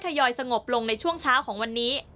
ทยอยสงบลงในช่วงเช้าของวันนี้